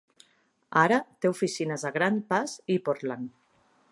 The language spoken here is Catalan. Ara té oficines a Grants Pass i Portland.